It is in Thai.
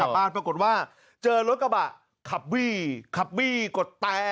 ปรากฏว่าเจอรถกระบะ